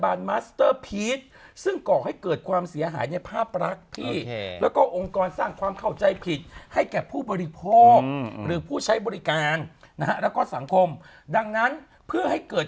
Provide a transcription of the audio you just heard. บางครั้งก็สามารถจับห่างได้